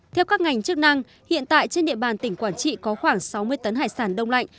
theo các ngành chức năng hiện tại trên địa bàn tỉnh quảng trị có khoảng sáu mươi tấn hải sản đông lạnh